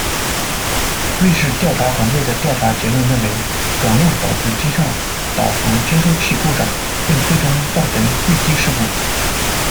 瑞士调查团队的调查结论认为，短路导致机上导航接收器故障，并最终造成坠机事故。